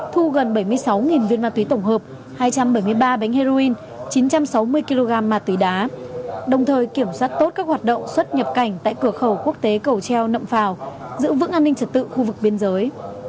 thu gần bảy mươi sáu viên ma túy tổng hợp hai trăm bảy mươi ba bánh heroin chín trăm sáu mươi kg ma túy đá đồng thời kiểm soát tốt các hoạt động xuất nhập cảnh tại cửa khẩu quốc tế cầu treo nậm phào giữ vững an ninh trật tự khu vực biên giới